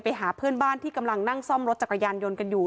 ไปหาเพื่อนบ้านที่กำลังนั่งซ่อมรถจักรยานยนต์กันอยู่